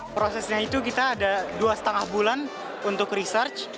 prosesnya itu kita ada dua lima bulan untuk research